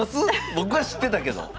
僕は知ってたけど。